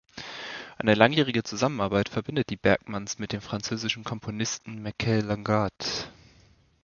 Eine langjährige Zusammenarbeit verbindet die Bergmans mit dem französischen Komponisten Michel Legrand.